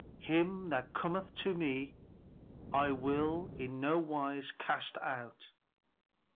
'Him that cometh to me, I will in no wise cast out.'"